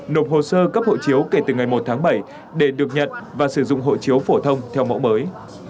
nộp hồ sơ cấp hộ chiếu kể từ ngày một tháng bảy để được nhận và sử dụng hộ chiếu phổ thông theo mẫu mới